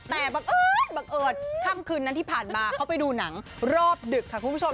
แต่บังเอิญบังเอิญค่ำคืนนั้นที่ผ่านมาเขาไปดูหนังรอบดึกค่ะคุณผู้ชม